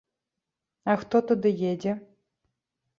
А хто туды едзе?